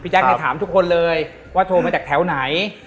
แจ๊คถามทุกคนเลยว่าโทรมาจากแถวไหน